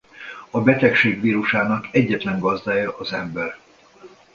A betegség vírusának egyetlen gazdája az ember.